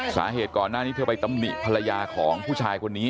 สาเหตุก่อนหน้านี้เธอไปตำหนิภรรยาของผู้ชายคนนี้